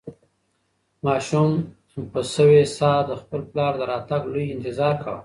ماشوم په سوې ساه د خپل پلار د راتګ لوی انتظار کاوه.